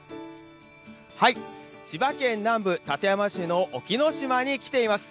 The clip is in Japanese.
千葉県南部館山市の沖ノ島に来ています。